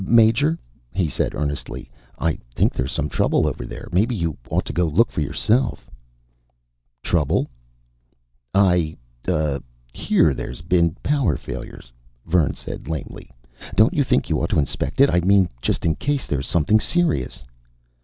"Major," he said earnestly, "I think there's some trouble over there. Maybe you ought to go look for yourself." "Trouble?" "I, uh, hear there've been power failures," Vern said lamely. "Don't you think you ought to inspect it? I mean just in case there's something serious?"